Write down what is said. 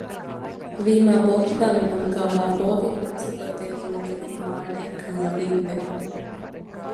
ވީމާ ބޯކިބާ މިނަމުގައިވާ ބޯ އިން ރަމުޒުކޮށްދެނީ މުޅިން އެހެން މާނައެއްކަން ޔަޤީން ވެ